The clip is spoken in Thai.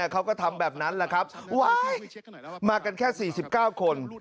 เขาก็ทำแบบนั้นแหละครับมากันแค่๔๙คน